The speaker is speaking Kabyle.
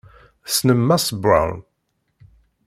Tessnem Mass Brown?